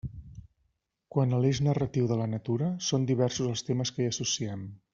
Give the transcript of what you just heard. Quant a l'eix narratiu de la natura, són diversos els temes que hi associem.